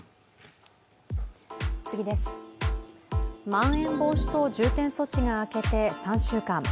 まん延防止等重点措置が明けて３週間。